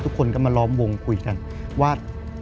ทุกคนก็มาล้อมวงคุยกันว่า